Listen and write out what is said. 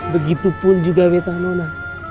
begitupun juga betta nona